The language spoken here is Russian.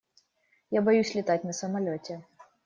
Я боюсь летать на самолёте.